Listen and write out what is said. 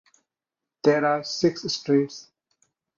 There are six streets.